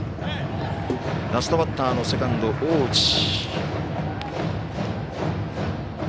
ラストバッターのセカンド大内。